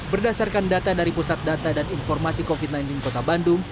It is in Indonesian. berdasarkan data dari pusat data dan informasi covid sembilan belas kota bandung